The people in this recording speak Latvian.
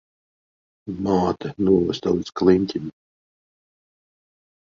Māte novesta līdz kliņķim.